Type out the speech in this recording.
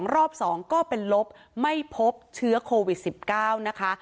รอบ๒ก็เป็นลบไม่พบเชื้อโควิด๑๙นะคะ